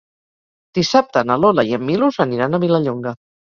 Dissabte na Lola i en Milos aniran a Vilallonga.